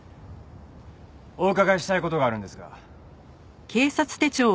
お伺いしたい事があるんですが。